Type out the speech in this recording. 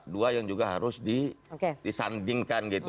dua yang juga harus disandingkan gitu